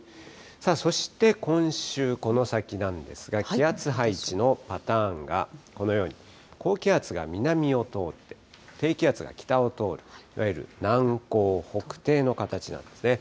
そして今週、この先なんですが、気圧配置のパターンがこのように高気圧が南を通って、低気圧が北を通る、いわゆる南高北低の形なんですね。